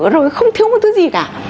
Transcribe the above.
rồi không thiếu một thứ gì cả